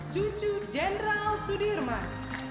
jujur jendral sudirman